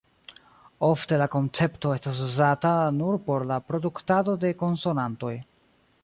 Ofte la koncepto estas uzata nur por la produktado de konsonantoj.